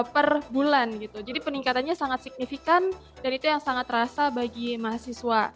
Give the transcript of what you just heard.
per bulan gitu jadi peningkatannya sangat signifikan dan itu yang sangat terasa bagi mahasiswa